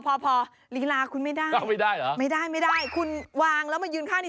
พอพอลีลาคุณไม่ได้เอาไม่ได้เหรอไม่ได้ไม่ได้คุณวางแล้วมายืนข้างนี้